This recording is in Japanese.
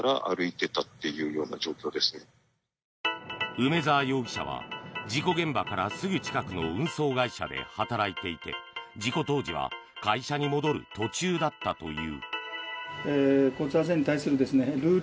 梅沢容疑者は事故現場からすぐ近くの運送会社で働いていて事故当時は会社に戻る途中だったという。